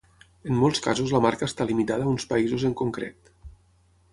En molts casos la marca està limitada a uns països en concret.